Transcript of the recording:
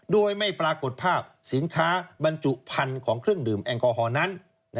โดยไม่ปรากฏภาพสินค้าบรรจุพันธุ์ของเครื่องดื่มแอลกอฮอลนั้น